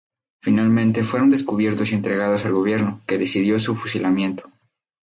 Finalmente fueron descubiertos y entregados al Gobierno, que decidió su fusilamiento.